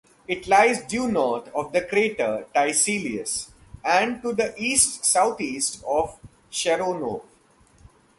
It lies due north of the crater Tiselius and to the east-southeast of Sharonov.